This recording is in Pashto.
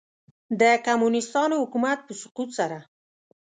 د کمونیسټانو حکومت په سقوط سره.